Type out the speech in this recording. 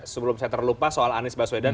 sebelum saya terlupa soal anies baswedan